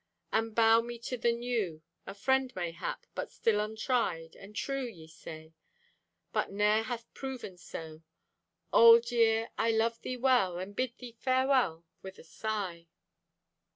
And bow me to the New. A friend mayhap, but still untried. And true, ye say? But ne'er hath proven so! Old year, I love thee well, And bid thee farewell with a sigh.